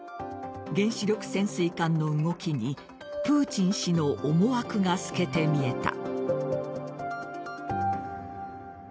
原子力潜水艦の動きにプーチン氏の思惑が透けて見えた。